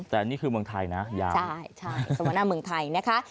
แต่นี่คือเมืองไทยนะยาวใช่สมหน้าเมืองไทยนะคะ